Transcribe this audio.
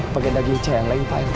pakai daging celeng pak ya